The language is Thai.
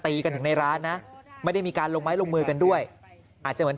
กันถึงในร้านนะไม่ได้มีการลงไม้ลงมือกันด้วยอาจจะเหมือน